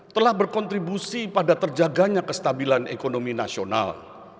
telah berkontribusi pada terjaganya kestabilan ekonomi nasional